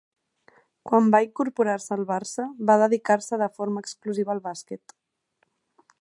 Quan va incorporar-se al Barça, va dedicar-se de forma exclusiva al bàsquet.